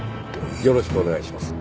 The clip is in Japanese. よろしくお願いします。